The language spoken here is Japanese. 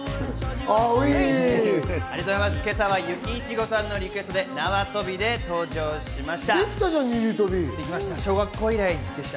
今朝はゆきいちごさんのリクエストで縄跳びで登場しました。